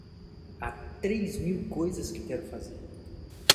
Há três mil coisas que quero fazer.